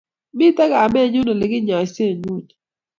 Mito kammennyu ole kinyaisei nguno